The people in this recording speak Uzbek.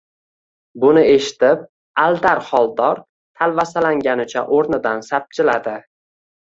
Buni eshitib, Aldar Xoldor talvasalanganicha o‘rnidan sapchiladi: